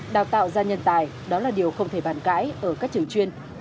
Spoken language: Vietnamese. đào tạo ra nhân tài đó là điều không thể bàn cãi ở các trường chuyên